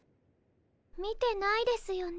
見てないですよね？